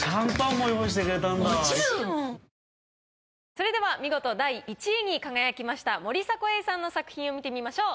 それでは見事第１位に輝きました森迫永依さんの作品を見てみましょう。